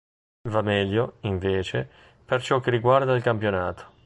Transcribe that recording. Va meglio, invece, per ciò che riguarda il campionato.